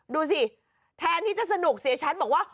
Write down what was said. ดูสิแทนที่จะสนุกเสียชั้นบอกว่า